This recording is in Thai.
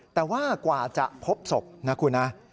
แต่ว่ากว่าจะพบศพนะคุณนะ